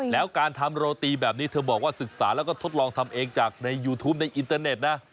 แล้วการทำโรตีแบบนี้เธอบอกว่าศึกษาแล้วก็ทดลองทำเองจากในยูทูปในอินเตอร์เน็ตนะ